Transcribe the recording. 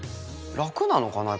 楽なのかな